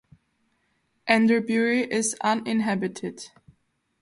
Enderbury is uninhabited.